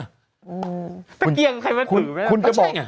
ตะเกียงใครมันถือไหม